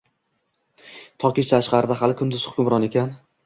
Toki tashqarida hali kunduz hukmron ekan.